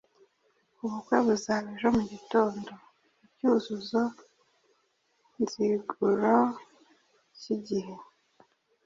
Ubukwe buzaba ejo mu gitondo. icyuzuzo nziguro k’igihe